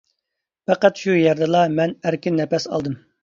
پەقەت شۇ يەردىلا مەن ئەركىن نەپەس ئالدىم.